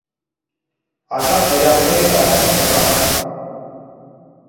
Հաճախ երամներ է կազմում ձմռանը։